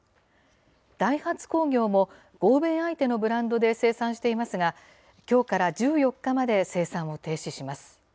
ダイハツ工業も欧米相手のブランドで生産していますが、きょうから１４日まで生産を停止します。